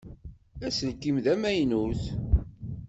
Aselkim d amaynut.